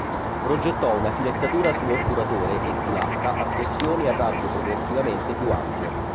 Progettò una filettatura su otturatore e culatta a sezioni a raggio progressivamente più ampio.